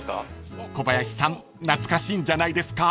［小林さん懐かしいんじゃないですか？］